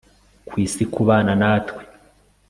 ku isi kubana natwe, +r